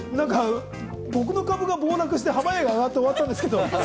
僕の株が暴落して濱家の株が上がったんですけど。